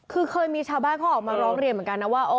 คือเคยมีชาวบ้านเขาออกมาร้องเรียนเหมือนกันนะว่า